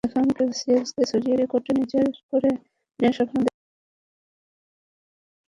এখন ক্যাসিয়াসকে ছাড়িয়ে রেকর্ডটি নিজের করে নেওয়ার স্বপ্ন দেখতেই পারেন বুফন।